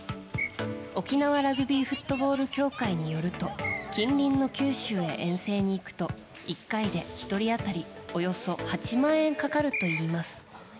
沖縄ラグビーフットボール協会によると近隣の九州に遠征へ行くと１回で、１人当たりおよそ８万円かかるといいます。